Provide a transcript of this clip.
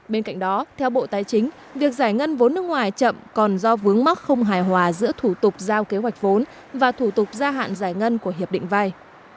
bên cạnh đó theo bộ tài chính việc giải ngân vốn nước ngoài chậm còn do vướng mắc không hài hòa giữa thủ tục giao kế hoạch vốn và thủ tục gia hạn giải ngân của hiệp định vay